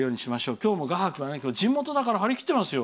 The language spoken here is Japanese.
今日も画伯が、地元だから張り切ってますよ。